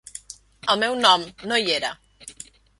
El meu nom no hi era.